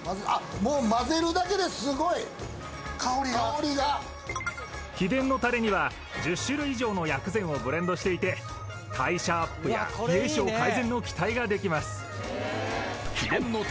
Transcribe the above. もうすごい香りが秘伝のタレには１０種類以上の薬膳をブレンドしていて代謝アップや冷え性改善の期待ができます